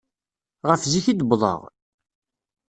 Ɣef zik i d-wwḍeɣ?